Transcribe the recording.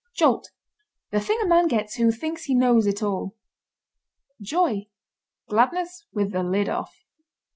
JOLT. The thing a man gets who thinks he knows it all. JOY. Gladness with the lid off.